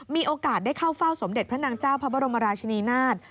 มีโอกาสได้เข้าเฝ้าสมเด็จพระนางเจ้าพระบรมราชินีนาฏ